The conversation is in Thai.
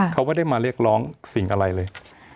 เขาไม่ได้มาเรียกร้องสิ่งอะไรเลย